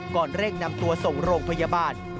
เร่งนำตัวส่งโรงพยาบาล